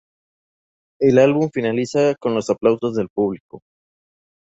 El álbum finaliza con los aplausos del público.